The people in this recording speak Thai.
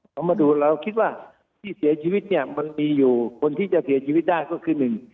เขามาดูเราคิดว่าที่เสียชีวิตเนี่ยมันมีอยู่คนที่จะเสียชีวิตได้ก็คือหนึ่ง